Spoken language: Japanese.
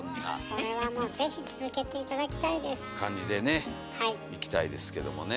これはもうぜひ続けて頂きたいです。感じでねいきたいですけどもね。